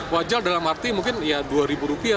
wajar dalam arti mungkin ya rp dua